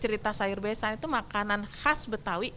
cerita sayur besan itu makanan khas betawi